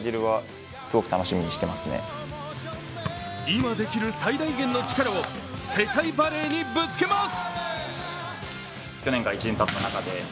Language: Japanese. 今できる最大限の力を世界バレーにぶつけます。